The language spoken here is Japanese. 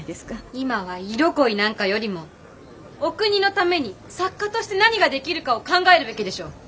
今は色恋なんかよりもお国のために作家として何ができるかを考えるべきでしょう。